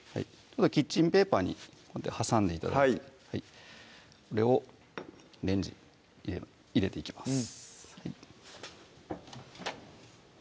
キッチンペーパーに挟んで頂いてはいこれをレンジに入れていきます